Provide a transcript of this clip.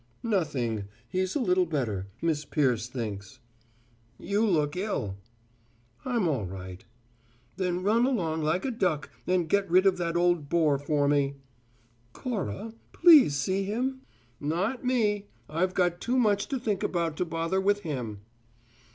"Nothing. He's a little better, Miss Peirce thinks." "You look ill." "I'm all right." "Then run along like a duck and get rid of that old bore for me." "Cora please see him?" "Not me! I've got too much to think about to bother with him."